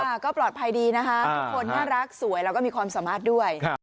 ก็ปลอดภัยดีนะคะทุกคนน่ารักสวยแล้วก็มีความสามารถด้วย